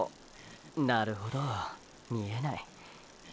なるほど見えない。